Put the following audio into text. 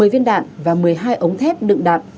một mươi viên đạn và một mươi hai ống thép đựng đạn